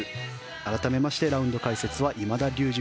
改めましてラウンド解説は今田竜二